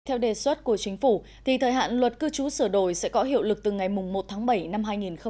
theo đề xuất của chính phủ thì thời hạn luật cư trú sửa đổi sẽ có hiệu lực từ ngày một tháng bảy năm hai nghìn hai mươi